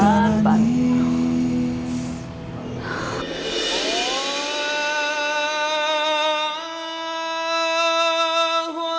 hai allah akbar allah